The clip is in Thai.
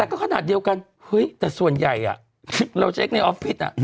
แต่ก็ขนาดเดียวกันเฮ้ยแต่ส่วนใหญ่เราเช็คในออฟฟิศ